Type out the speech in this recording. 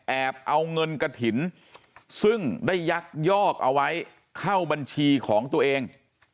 เอาเงินกระถิ่นซึ่งได้ยักยอกเอาไว้เข้าบัญชีของตัวเอง